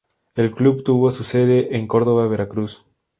El club tuvo su sede en Córdoba, Veracruz.